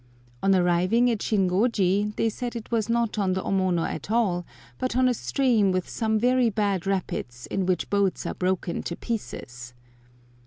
On arriving at Shingoji they said it was not on the Omono at all, but on a stream with some very bad rapids, in which boats are broken to pieces.